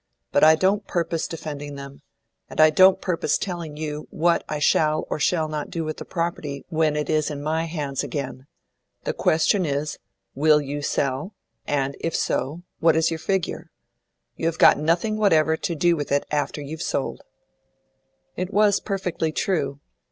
"But I don't purpose defending them; and I don't purpose telling you what I shall or shall not do with the property when it is in my hands again. The question is, Will you sell, and, if so, what is your figure? You have got nothing whatever to do with it after you've sold." It was perfectly true.